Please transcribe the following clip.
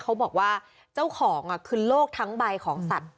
เขาบอกว่าเจ้าของคือโลกทั้งใบของสัตว์